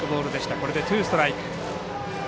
これでツーストライク。